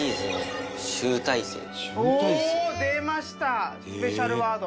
おお！出ましたスペシャルワード。